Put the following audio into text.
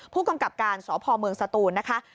ผู้กำกับการสพเมืองสตูนนะคะ